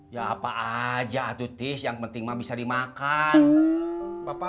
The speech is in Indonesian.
ya apa aja tuh tis yang penting mah bisa dimakan ya